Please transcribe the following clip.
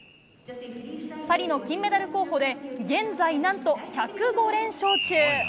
パリの金メダル候補で、現在なんと１０５連勝中。